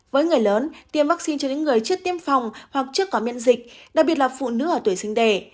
với người lớn tiêm vaccine cho những người chưa tiêm phòng hoặc chưa có miễn dịch đặc biệt là phụ nữ ở tuổi sinh đẻ